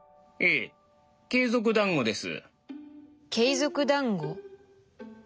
エ継続だんごです」。